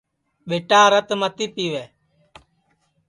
ٻِیٹا رت متی پِیوے